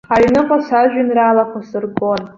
Аҩныҟа сажәеинраалақәа сыргон.